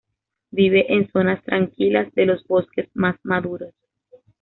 Vive en zonas tranquilas de los bosques más maduros.